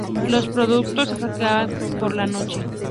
Los productos se fabricaban por la noche.